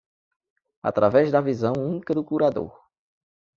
Através da visão única do curador